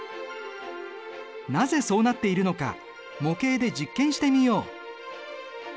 なぜそうなっているのか模型で実験してみよう。